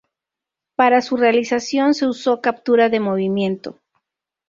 Para su realización se usó captura de movimiento.